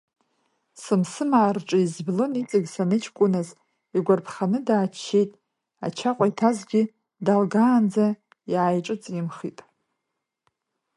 Сымсымаа рҿы изжәлон иҵегь саныҷкәыназ, игәарԥханы дааччеит, ачаҟәа иҭазгьы далгаанӡа иааиҿыҵимхит.